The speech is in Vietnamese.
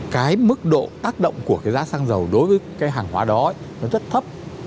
cái mức độ tác động của cái giá xăng dầu đối với cái hàng hóa đó nó rất thấp